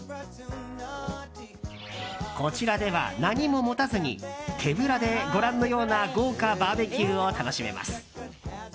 こちらでは何も持たずに手ぶらでご覧のような豪華バーベキューを楽しめます。